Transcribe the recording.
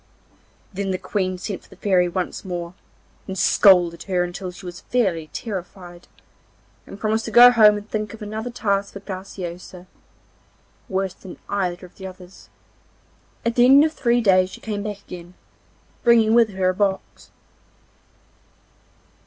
Then the Queen sent for the Fairy once more, and scolded her until she was fairly terrified, and promised to go home and think of another task for Graciosa, worse than either of the others. At the end of three days she came again, bringing with her a box.